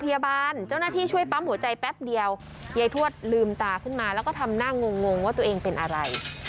ยายทวดลืมตาขึ้นมาแล้วก็ทำหน้างงวงว่าตัวเองเป็นอะไร